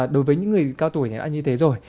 đối với những người cao tuổi thì đã như thế rồi